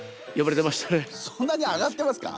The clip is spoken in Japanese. そんなに上がってますか？